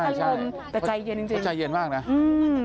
แต่ใจเย็นจริงเลยก็คือจริงพอใจเย็นมากนะเฮอ